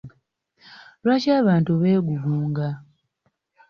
Lwaki abantu beegugunga?